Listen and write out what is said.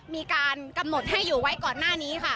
มีการกำหนดให้อยู่ไว้ก่อนหน้านี้ค่ะ